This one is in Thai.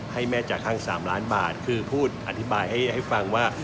ให้พูดอธิบายให้ฟังครับ